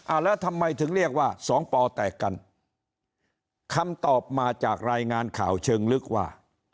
แล้วทำไมถึงเรียกว่าสองปอแตกกันคำตอบมาจากรายงานข่าวเชิงลึกว่า